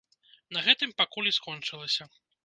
На гэтым пакуль і скончылася.